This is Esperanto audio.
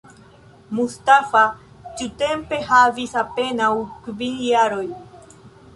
Mustafa tiutempe havis apenaŭ kvin jaroj.